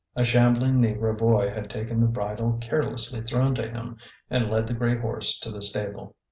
A shambling negro boy had taken the bridle carelessly thrown to him, and led the gray horse to the stable.